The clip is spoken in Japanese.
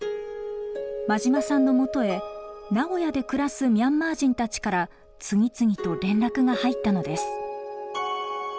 馬島さんのもとへ名古屋で暮らすミャンマー人たちから次々と連絡が入ったのです。